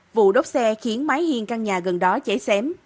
vụ đốt xe khiến máy hiên căn nhà gần đó cháy xém